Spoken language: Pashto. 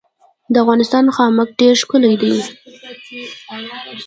د افغانستان خامک ډیر ښکلی دی